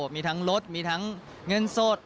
มีทั้งลดมีทั้งเงินสด